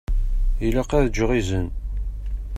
Ilaq ad ǧǧeɣ izen.